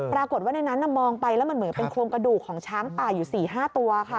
ปรากฏว่าในนั้นมองไปแล้วมันเหมือนเป็นโครงกระดูกของช้างป่าอยู่๔๕ตัวค่ะ